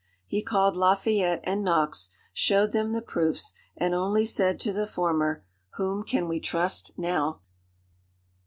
He called Lafayette and Knox, showed them the proofs, and only said to the former, "Whom can we trust now!"